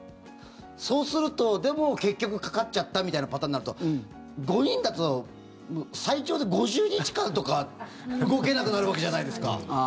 そうすると、でも結局かかっちゃったみたいなパターンになると５人だと最長で５０日間とか動けなくなるわけじゃないですか。